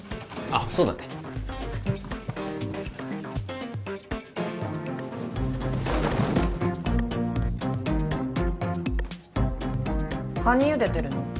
あっそうだね